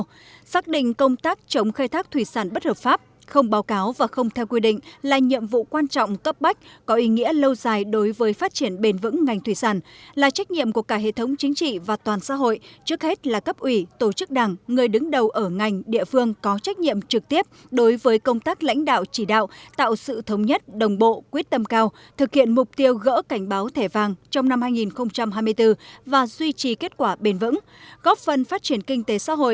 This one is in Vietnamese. để đẩy mạnh công tác chống khai thác thủy sản bất hợp pháp không báo cáo và không theo quy định là nhiệm vụ quan trọng cấp bách có ý nghĩa lâu dài đối với phát triển bền vững ngành thủy sản là trách nhiệm của cả hệ thống chính trị và toàn xã hội trước hết là cấp ủy tổ chức đảng người đứng đầu ở ngành địa phương có trách nhiệm trực tiếp đối với công tác lãnh đạo chỉ đạo tạo sự thống nhất đồng bộ quyết tâm cao thực hiện mục tiêu gỡ cảnh báo thẻ vàng trong năm hai nghìn hai mươi bốn và duy trì kết quả bền vững góp phần phát triển kinh t